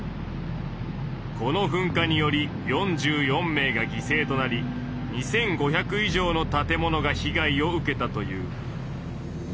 この噴火により４４名が犠牲となり２，５００以上の建物が被害を受けたという。